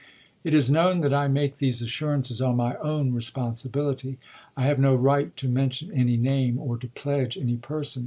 It is known that I make these assurances on my own responsi bility. I have no right to mention any name or to pledge any person.